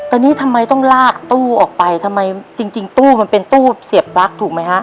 แต่นี่ทำไมต้องลากตู้ออกไปทำไมจริงตู้มันเป็นตู้เสียบปลั๊กถูกไหมฮะ